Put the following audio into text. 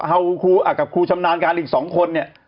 เอากับครูชำนาญการอีก๒คนเนี่ย